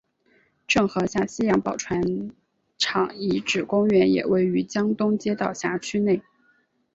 郑和下西洋宝船厂遗址公园也位于江东街道辖区内。